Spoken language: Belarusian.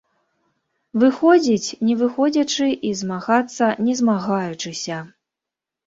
Выходзіць не выходзячы і змагацца не змагаючыся.